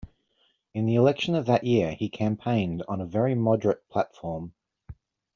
In the election of that year he campaigned on a very moderate platform.